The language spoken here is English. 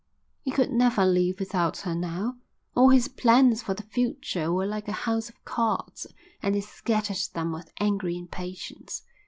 He could never live without her now. All his plans for the future were like a house of cards and he scattered them with angry impatience.